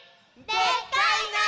「でっかいなあ！」